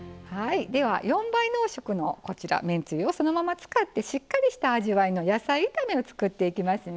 では４倍濃縮のこちらめんつゆをそのまま使ってしっかりした味わいの野菜炒めを作っていきますね。